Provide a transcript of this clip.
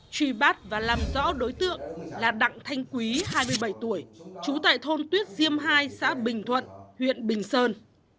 truy bắt và làm rõ đối tượng là đặng thanh quý hai mươi bảy tuổi trú tại thôn tuyết diêm hai xã bình thuận huyện bình sơn